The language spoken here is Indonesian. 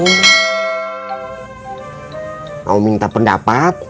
mau minta pendapat